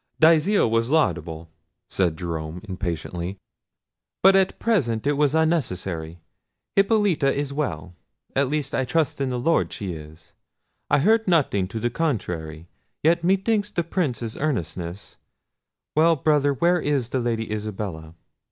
"Thy zeal was laudable," said Jerome, impatiently; "but at present it was unnecessary: Hippolita is well—at least I trust in the Lord she is; I heard nothing to the contrary—yet, methinks, the Prince's earnestness—Well, brother, but where is the Lady Isabella?"